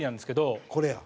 これや。